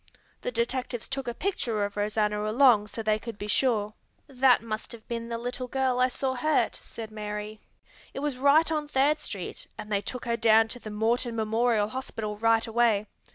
The detectives took a picture of Rosanna along so they could be sure." "That must have been the little girl I saw hurt," said Mary. "It was right on Third Street, and they took her down to the Morton Memorial Hospital right away.